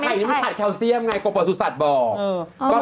แต่ไข่นี้มันขาดแคลเซียมไงกว่าเปิดสุสัตว์แบบบ่